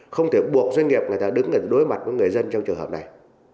không thể buộc doanh nghiệp người ta đứng ở đối mặt với người dân trong trường hợp này